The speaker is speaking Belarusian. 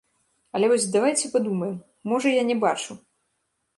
Але вось давайце падумаем, можа, я не бачу.